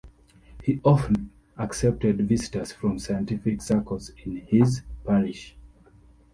He often accepted visitors from scientific circles in his parish.